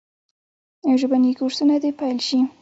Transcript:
ژبني کورسونه دي پیل سي.